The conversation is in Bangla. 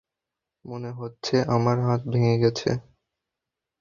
মনে হচ্ছে আমার হাত ভেঙে গেছে।